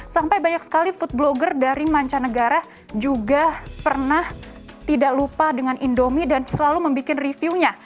sampai banyak sekali food blogger dari mancanegara juga pernah tidak lupa dengan indomie dan selalu membuat reviewnya